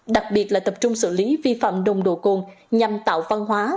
đặc biệt là tập trung xử lý vi phạm đồng đồ côn nhằm tạo văn hóa